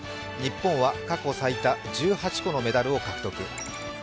日本は過去最多１８個のメダルを獲得。